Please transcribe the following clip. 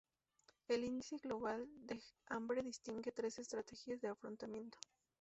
El Índice Global del Hambre distingue tres estrategias de afrontamiento.